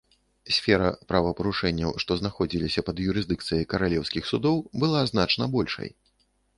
Сфера правапарушэнняў, што знаходзіліся пад юрысдыкцыяй каралеўскіх судоў, была значна большай.